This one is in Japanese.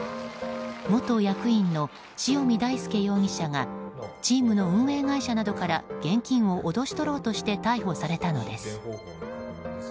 元役員の塩見大輔容疑者がチームの運営会社などから現金を脅し取ろうとして逮捕されたのです。